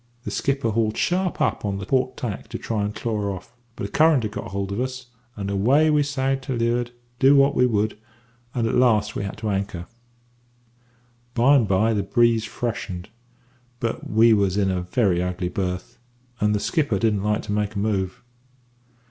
"The skipper hauled sharp up on the port tack to try and claw off; but a current had got hold of us, and away we sagged to leeward, do what we would, and at last we had to anchor. "By and by the breeze freshened; but we was in a very ugly berth, and the skipper didn't like to make a move.